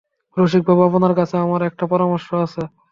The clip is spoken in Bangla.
রসিকবাবু, আপনার কাছে আমার একটা পরামর্শ আছে।